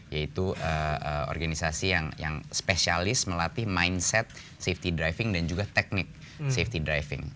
yaitu organisasi yang spesialis melatih mindset safety driving dan juga teknik safety driving